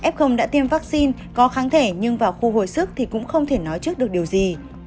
f đã tiêm vaccine có kháng thể nhưng vào khu hồi sức thì cũng không thể nói trước được điều gì